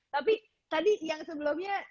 tapi tadi yang sebelumnya